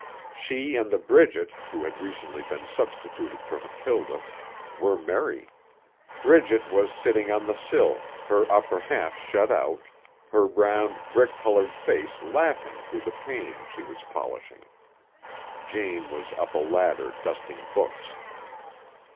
She and the Bridget, who had recently been substituted for Mathilde, were merry. Bridget was sitting on the sill, her upper half shut out, her round, brick colored face laughing through the pane she was polishing. Jane was up a ladder, dusting books.